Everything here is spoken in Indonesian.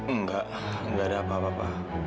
enggak enggak ada apa apa